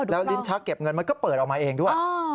แล้วลิ้นชักเก็บเงินมันก็เปิดออกมาเองด้วย